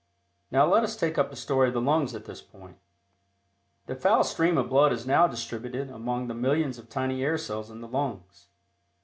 Now, let us take up the story of the lungs at this point. The foul stream of blood is now distributed among the millions of tiny air cells in the lungs.